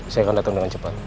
saya akan datang dengan cepat